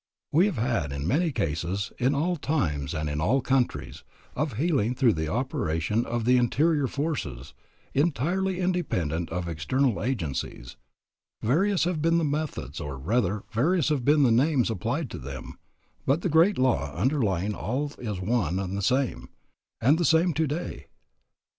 We have had many cases, in all times and in all countries, of healing through the operation of the interior forces, entirely independent of external agencies. Various have been the methods, or rather, various have been the names applied to them, but the great law underlying all is one and the same, and the same today.